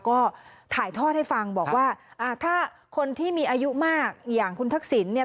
ก็ถ่ายทอดให้ฟังบอกว่าอ่าถ้าคนที่มีอายุมากอย่างคุณทักษิณเนี่ย